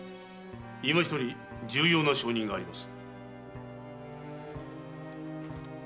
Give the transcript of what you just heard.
今一人重要な証人があります。